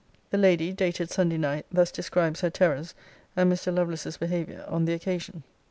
[The Lady (dated Sunday night) thus describes her terrors, and Mr. Lovelace's behaviour, on the occasion.